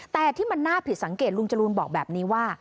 แต่ที่มันน่าผิดสังเกตลุงจรูนบอกแบบนี้ว่า